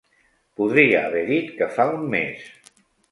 Podria haver dit que fa un mes.